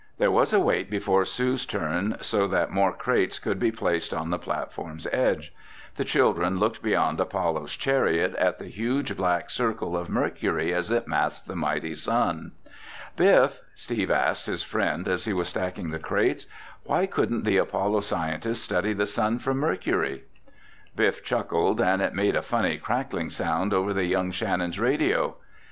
There was a wait before Sue's turn so that more crates could be placed on the platform's edge. The children looked beyond Apollo's Chariot at the huge black circle of Mercury as it masked the mighty sun. "Biff," Steve asked his friend as he was stacking the crates, "why couldn't the Apollo scientists study the sun from Mercury?" Biff chuckled and it made a funny crackling sound over the young Shannons' radios.